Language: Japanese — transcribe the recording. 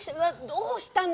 どうしたの？